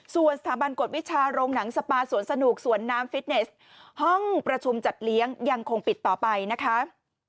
ส่วนสถาบันกฎวิชาโรงหนังสปาสวนสนุกสวนน้ำฟิตเนสห้องประชุมจัดเลี้ยงยังคงปิดต่อไปนะคะ